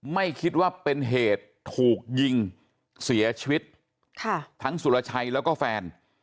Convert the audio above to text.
ไม่คิดว่าเป็นเหตุถูกยิงเสียชีวิตค่ะทั้งสุรชัยแล้วก็แฟน